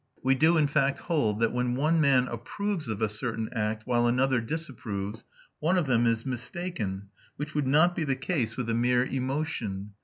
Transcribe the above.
"We do in fact hold that when one man approves of a certain act, while another disapproves, one of them is mistaken, which would not be the case with a mere emotion.